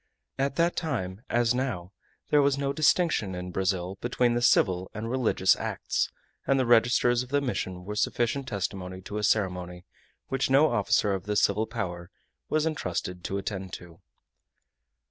At that time, as now, there was no distinction in Brazil between the civil and religious acts, and the registers of the mission were sufficient testimony to a ceremony which no officer of the civil power was intrusted to attend to.